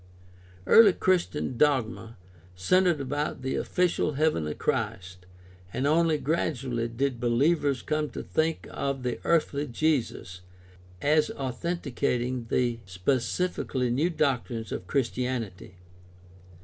Early Christian dogma centered about the ofhcial heavenly Christ and only gradually did behevers come to think of the earthly Jesus as authenticating the spe cifically new doctrines of Christianity.